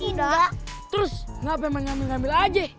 enggak terus ngapain ngambil ngambil aja